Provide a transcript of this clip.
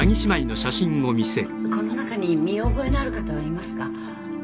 この中に見覚えのある方はいますか？